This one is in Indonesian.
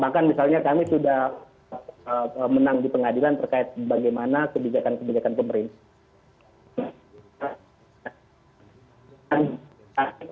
bahkan misalnya kami sudah menang di pengadilan terkait bagaimana kebijakan kebijakan pemerintah